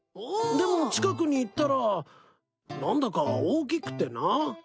でも近くに行ったら何だか大きくてな。